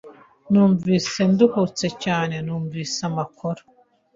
Numvise nduhutse cyane. numvise amakuru .